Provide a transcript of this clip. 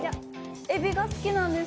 エビが好きなんです。